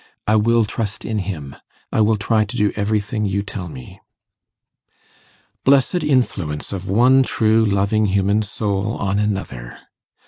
I will trust in Him. I will try to do everything you tell me.' Blessed influence of one true loving human soul on another!